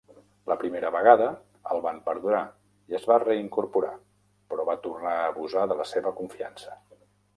La primera vegada el van perdonar i es va reincorporar però va tornar a abusar de la seva confiança.